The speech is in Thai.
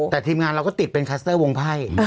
แต่ทีมงานเราก็ติดเป็นคัสเตอร์วงไพ่